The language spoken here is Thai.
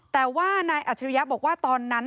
แต่ว่านายอัจฉริยะบอกว่าตอนนั้น